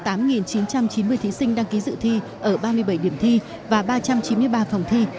tỉnh hòa bình có tổng số hơn tám chín trăm chín mươi chín thí sinh đăng ký dự thi ở ba mươi bảy điểm thi và ba trăm chín mươi ba phòng thi